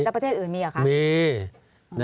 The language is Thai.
แต่ประเทศอื่นมีอะคะ